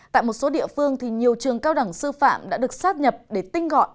tại một số địa phương thì nhiều trường cao đẳng sư phạm đã được sát nhập để tinh gọn